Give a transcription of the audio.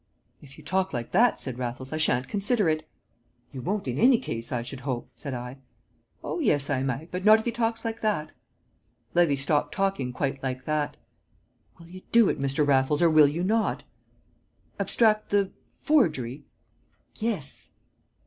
"If you talk like that," said Raffles, "I shan't consider it." "You won't in any case, I should hope," said I. "Oh, yes, I might; but not if he talks like that." Levy stopped talking quite like that. "Will you do it, Mr. Raffles, or will you not?" "Abstract the forgery?" "Yes."